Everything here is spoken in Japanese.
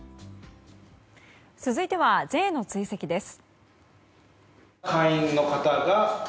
続いては、Ｊの追跡です。